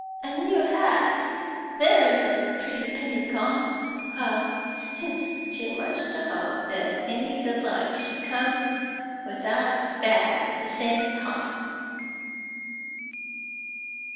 'A new hat! There's a pretty penny gone! Well, it's too much to hope that any good luck should come without bad at the same time.'